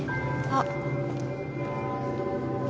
あっ